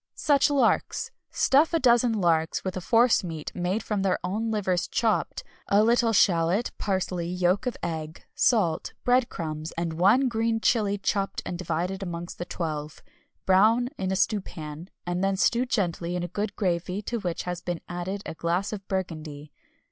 Such Larks! Stuff a dozen larks with a force meat made from their own livers chopped, a little shallot, parsley, yolk of egg, salt, bread crumbs, and one green chili chopped and divided amongst the twelve. Brown in a stewpan, and then stew gently in a good gravy to which has been added a glass of burgundy.